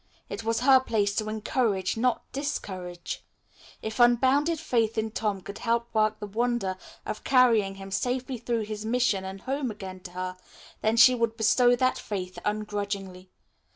It was her place to encourage, not discourage. If unbounded faith in Tom could help work the wonder of carrying him safely through his mission and home again to her, then she would bestow that faith ungrudgingly.